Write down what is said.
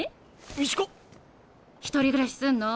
１人暮らしすんの？